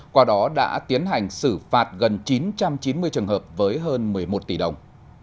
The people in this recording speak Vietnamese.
qua đó đã tiến hành xử phạt gần chín trăm chín mươi trường hợp với hơn một mươi một tỷ đồng